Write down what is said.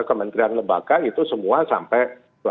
kementerian dan lembaga itu semua sampai dua ribu dua puluh empat